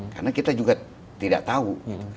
karena kita juga tidak tahu